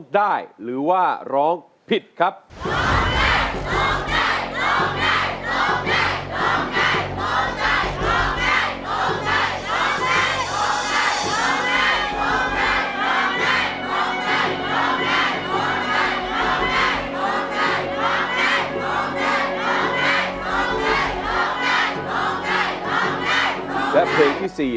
บรรยากาศตะวัน๑๕นสุดท้าย